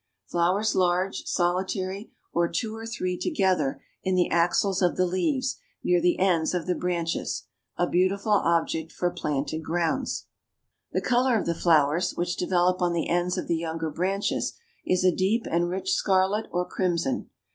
Flowers large, solitary, or two or three together in the axils of the leaves, near the ends of the branchlets. A beautiful object for planted grounds." The color of the flowers, which develop on the ends of the younger branches, is a deep and rich scarlet or crimson.